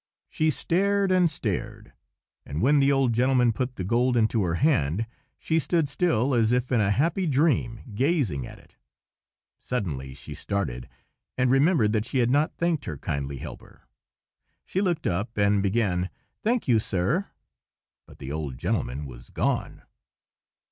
She stared and stared; and when the old gentleman put the gold into her hand, she still stood as if in a happy dream, gazing at it. Suddenly she started, and remembered that she had not thanked her kindly helper. She looked up, and began, "Thank you, sir;" but the old gentleman was gone.